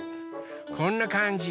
こんなかんじ。